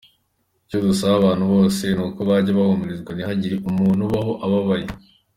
Icyo dusaba abantu bose ni uko bajya bahumurizanya ntihagire umuntu ubaho ababaye.